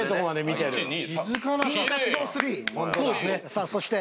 さあそして。